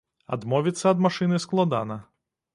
Адмовіцца ад машыны складана.